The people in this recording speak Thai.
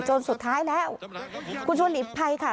สุดท้ายแล้วคุณชวนหลีกภัยค่ะ